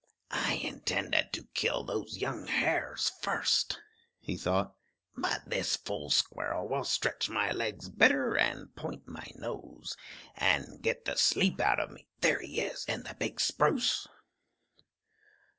"I intended to kill those young hares first," he thought, "but this fool squirrel will stretch my legs better, and point my nose, and get the sleep out of me There he is, in the big spruce!"